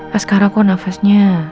pas sekarang kok nafasnya